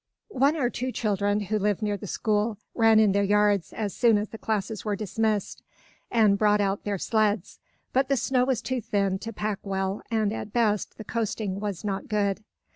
One or two children, who lived near the school, ran in their yards as soon as the classes were dismissed, and brought out their sleds. But the snow was too thin to pack well and at best the coasting was not good.